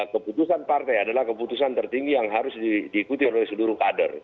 keputusan partai adalah keputusan tertinggi yang harus diikuti oleh seluruh kader